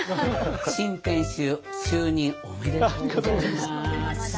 新店主就任おめでとうございます。